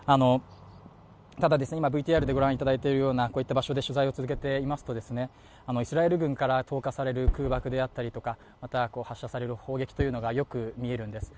ただ、今ＶＴＲでご覧いただいているようなこういった場所で取材を続けていますと、イスラエル軍から投下される空爆であったり、発射される砲撃というのはよく見えるんです。